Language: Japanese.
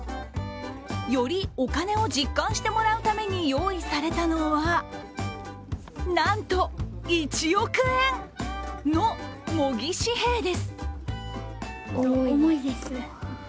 よりお金を実感してもらうために用意されたのはなんと１億円！の模擬紙幣です。